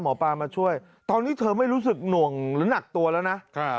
หมอปลามาช่วยตอนนี้เธอไม่รู้สึกหน่วงหรือหนักตัวแล้วนะ